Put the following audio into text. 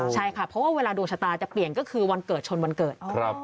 ใช่ค่ะเพราะว่าเวลาดวงชะตาจะเปลี่ยนก็คือวันเกิดชนวันเกิด